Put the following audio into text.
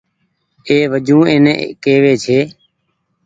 اي وجون اين ڪيوي ڇي